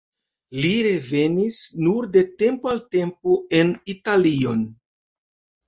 Li revenis nur de tempo al tempo en Italion.